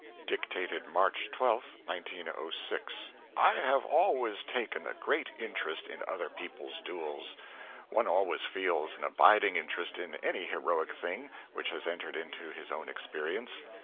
[Dictated March 12, 1906.] I have always taken a great interest in other people's duels. One always feels an abiding interest in any heroic thing which has entered into his own experience.